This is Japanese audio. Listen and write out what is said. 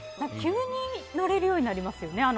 急に乗れるようになりますよね